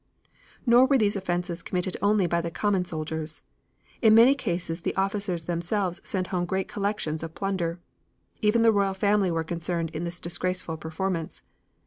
Nor were these offenses committed only by the common soldiers. In many cases the officers themselves sent home great collections of plunder. Even the Royal Family were concerned in this disgraceful performance.